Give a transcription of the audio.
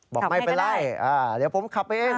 บอกไม่เป็นไรเดี๋ยวผมขับเอง